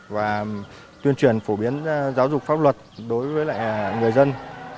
và tuyên truyền phổ biến giáo dục pháp luật đối với người dân